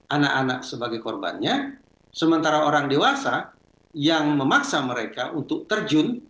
anak anak sebagai korbannya sementara orang dewasa yang memaksa mereka untuk terjun